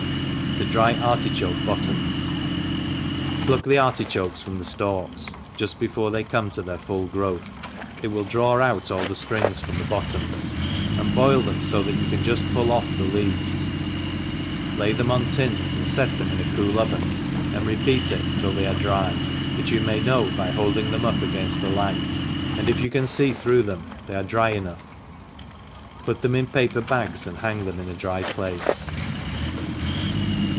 To dry Artichoke Bottoms. PLUCK the artichokes from the ilalks (juft before they con:ie to their full growth) it will draw out all the Afings from the bottoms, and boil themfo that you can jufl pull o^T the leaves, lay them on tins, and fet them in a coed oven, and repeat it till they are dry, which you may know by holding them up againft the light, and if you can fee through them, they are dry enough ; 362 THE EXPERIENCED tnough; put them in paper bags, and haog^ them in a dry place.